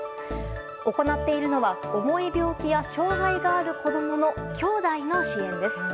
行っているのは重い病気や障害がある子供のきょうだいの支援です。